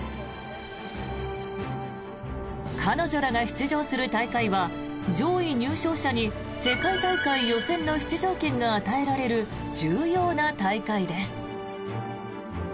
彼女らが出場する大会は上位入賞者に世界大会予選の出場権が与えられる重要な大会です。